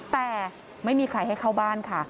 แต่ไม่มีใครให้เข้าบ้านค่ะ